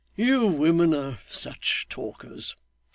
'You women are such talkers.